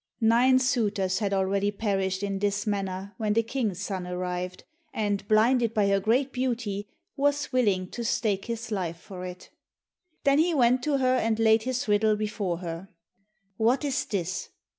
Nine suitors had already perished in this manner, when the King's son arrived, and blinded by her great beauty, was willing to stake his life for it. Then he went to her and laid his riddle before her. "What is this?"